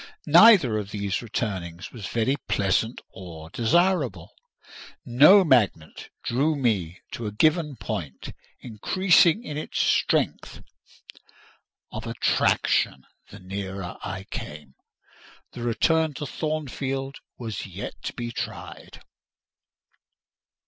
Neither of these returnings was very pleasant or desirable: no magnet drew me to a given point, increasing in its strength of attraction the nearer I came. The return to Thornfield was yet to be tried.